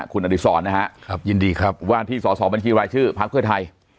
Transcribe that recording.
คุณอดิษรนะฮะยินดีครับว่าที่สอสอบัญชีรายชื่อพักเพื่อไทย